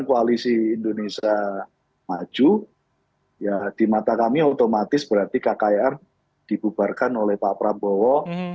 koalisi indonesia maju ya di mata kami otomatis berarti kkir dibubarkan oleh pak prabowo